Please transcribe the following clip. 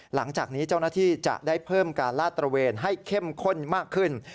หลังจากนี้เจ้าหน้าที่จะได้เพิ่มการลาดตระเวนให้เข้มข้นมากขึ้น